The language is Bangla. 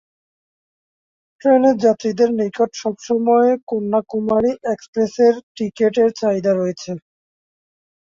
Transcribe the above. ট্রেনের যাত্রীদের নিকট সবসময়ই কন্যাকুমারী এক্সপ্রেস এর টিকেট এর চাহিদা রয়েছে।